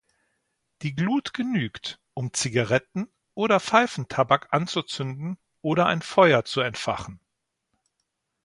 Die Glut genügt, um Zigaretten oder Pfeifentabak anzuzünden oder ein Feuer zu entfachen.